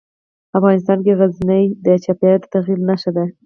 افغانستان کې غزني د چاپېریال د تغیر نښه ده.